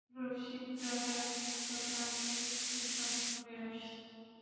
রসিকদাদার রসিকতা আজকাল একটু শক্ত হয়ে আসছে!